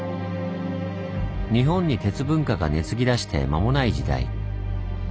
日本に鉄文化が根づきだして間もない時代。